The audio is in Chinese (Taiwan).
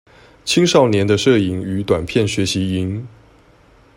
青少年的攝影與短片學習營